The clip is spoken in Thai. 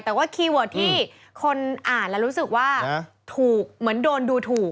แต่ว่าคีย์เวิร์ดที่คนอ่านแล้วรู้สึกว่าถูกเหมือนโดนดูถูก